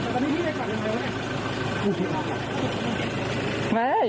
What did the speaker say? มายกนิดโป้งให้ด้วยไป